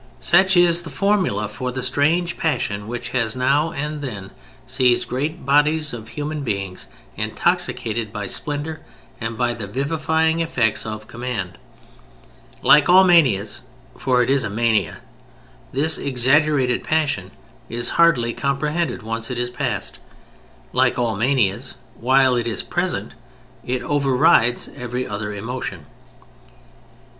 Such is the formula for the strange passion which has now and then seized great bodies of human beings intoxicated by splendor and by the vivifying effects of command. Like all manias (for it is a mania) this exaggerated passion is hardly comprehended once it is past. Like all manias, while it is present it overrides every other emotion.